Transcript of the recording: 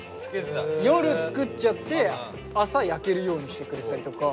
夜作っちゃって朝焼けるようにしてくれてたりとか。